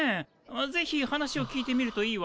ぜひ話を聞いてみるといいわ。